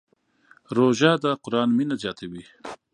روژه د قرآن مینه زیاتوي.